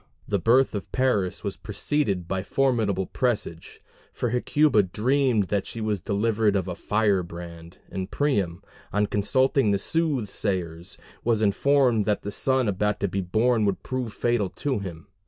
The birth of Paris was preceded by formidable presage; for Hecuba dreamed that she was delivered of a firebrand, and Priam, on consulting the soothsayers, was informed that the son about to be born would prove fatal to him.